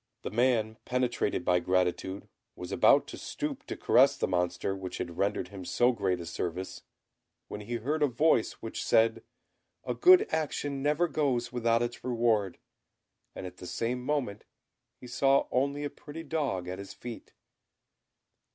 The man, penetrated by gratitude, was about to stoop to caress the Monster which had rendered him so great a service, when he heard a voice which said, "A good action never goes without its reward," and at the same moment he saw only a pretty dog at his feet.